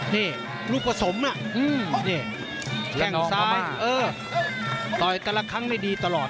นี่รูปสมน่ะอืมนี่แข่งซ้ายเออต่อยตลาดครั้งได้ดีตลอด